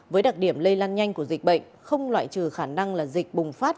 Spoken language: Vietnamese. với đặc điểm lây lan nhanh của dịch bệnh không loại trừ khả năng là dịch bùng phát